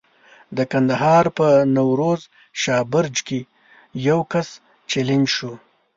د کندهار په نوروز شاه برج کې یو کس چلنج شو.